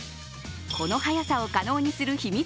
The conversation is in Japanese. この早さを可能にする秘密